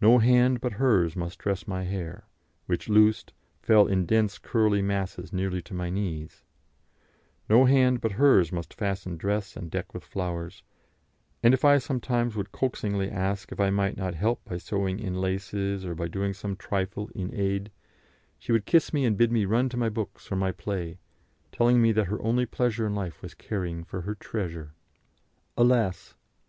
No hand but hers must dress my hair, which, loosed, fell in dense curly masses nearly to my knees; no hand but hers must fasten dress and deck with flowers, and if I sometimes would coaxingly ask if I might not help by sewing in laces, or by doing some trifle in aid, she would kiss me and bid me run to my books or my play, telling me that her only pleasure in life was caring for her "treasure." Alas!